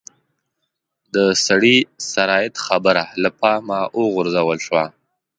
د سړي سر عاید خبره له پامه وغورځول شوه.